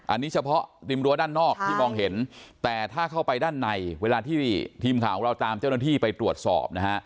อันนี้เฉพาะริมรั้วด้านนอกที่มองเห็นแต่ถ้าเข้าไปด้านในเวลาที่ทีมข่าวของเราตามเจ้าหน้าที่ไปตรวจสอบนะฮะ